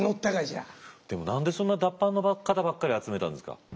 でも何でそんな脱藩の方ばっかり集めたんですか？